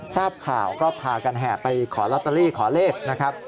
ทราบข่าวก็พากันแห่ไปขอลอตเตอรี่ขอเลขนะครับ